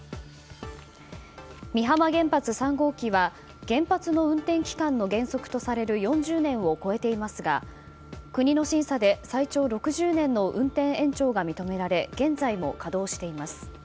美浜原発３号機は原発の運転期間の原則とされる４０年を超えていますが国の審査で最長６０年の運転延長が認められ現在も稼働しています。